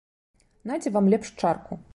Наце вам лепш чарку.